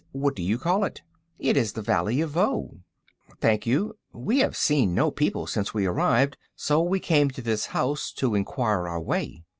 What do you call it?" "It is the Valley of Voe." "Thank you. We have seen no people since we arrived, so we came to this house to enquire our way."